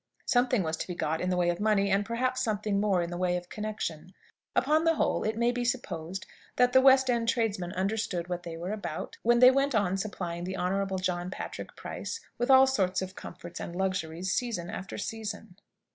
Something was to be got in the way of money, and, perhaps, something more in the way of connection. Upon the whole, it may be supposed that the West end tradesmen understood what they were about, when they went on supplying the Honourable John Patrick Price with all sorts of comforts and luxuries, season after season.